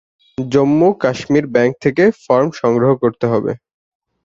Jammu-Kashmir bank থেকে form সংগ্রহ করতে হবে।